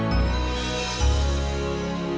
ya seperti itu